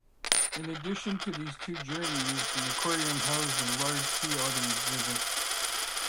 In addition to these two journeys, the aquarium housed a large sea otter exhibit.